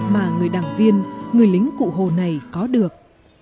mà người đảng viên người lính cụ hồ này có được